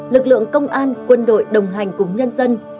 lực lượng công an quân đội đồng hành cùng nhân dân